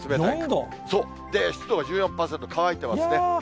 湿度が１４％、乾いてますね。